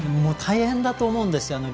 大変だと思うんですよ。